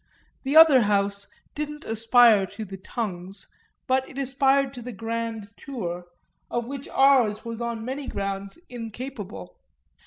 The other house didn't aspire to the tongues, but it aspired to the grand tour, of which ours was on many grounds incapable.